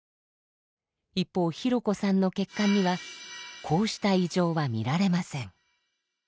一方ひろこさんの血管にはこうした異常は見られません。